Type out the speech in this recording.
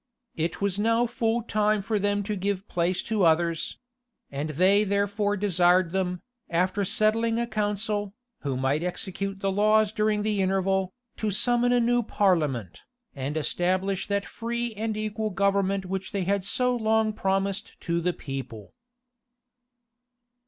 It was now full time for them to give place to others; and they therefore desired them, after settling a council, who might execute the laws during the interval, to summon a new parliament, and establish that free and equal government which they had so long promised to the people.